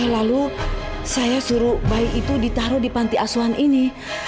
lalu saya suruh bayi itu ditaruh di panti asuhan ini